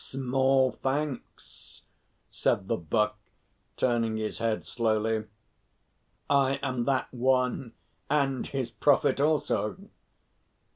"Small thanks," said the Buck, turning his head slowly. "I am that One and His Prophet also."